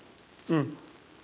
うん。